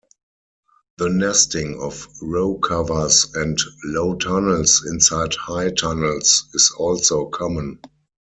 The nesting of row covers and low tunnels inside high tunnels is also common.